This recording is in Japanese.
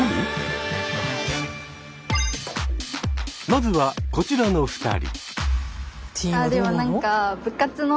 まずはこちらの２人。